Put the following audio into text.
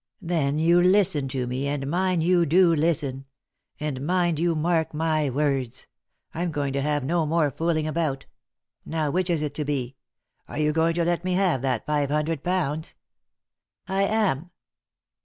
" Then you listen to me, and mind you do listen 1 And mind you mark my words 1 I'm going to have no more fooling about— now which is it to be ? Are you going to let me have that five hundred pounds ?"" I am."